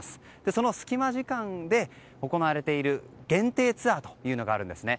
その隙間時間で行われている限定ツアーがあるんですね。